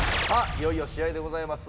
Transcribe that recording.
いよいよ試合でございます。